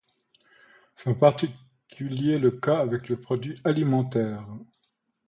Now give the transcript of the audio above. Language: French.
C'est en particulier le cas avec les produits alimentaires.